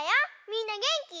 みんなげんき？